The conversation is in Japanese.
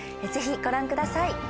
ぜひご覧ください。